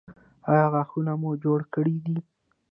ایا غاښونه مو جوړ کړي دي؟